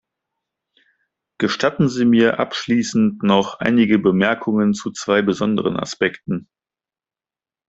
Gestatten Sie mir abschließend noch einige Bemerkungen zu zwei besonderen Aspekten.